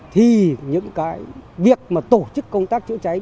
thì những việc tổ chức công tác chữa cháy